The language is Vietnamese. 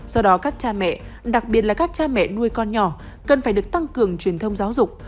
do đó các cha mẹ đặc biệt là các cha mẹ nuôi con nhỏ cần phải được tăng cường truyền thông giáo dục